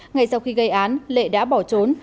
ngày sau khi gây án lệ đã bỏ trốn